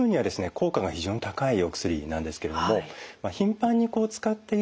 効果が非常に高いお薬なんですけれども頻繁に使っているとですね